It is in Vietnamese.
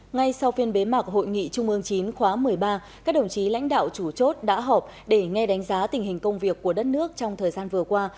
ngay sau phiên bế mạc hội nghị trung ương chín khóa một mươi ba các đồng chí lãnh đạo chủ chốt đã họp để nghe đánh giá tình hình công việc của đất nước trong thời gian vừa qua